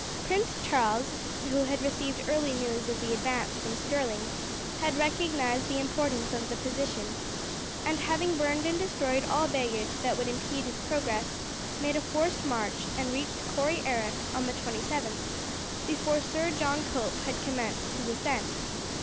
Prince Charles, who had received early news of the advance from Stirling, had recognized the importance of the position, and having burned and destroyed all baggage that would impede his progress, made a forced march and reached Corry Arrack on the 27th, before Sir John Cope had commenced his ascent.